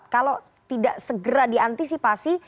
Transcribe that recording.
kalau tidak segera diantisipasi